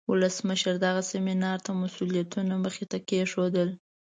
ولسمشر دغه سیمینار ته مسئولیتونه مخې ته کیښودل.